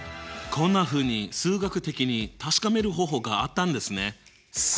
こんなふうに数学的に確かめる方法があったんですね。